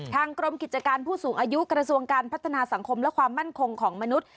กรมกิจการผู้สูงอายุกระทรวงการพัฒนาสังคมและความมั่นคงของมนุษย์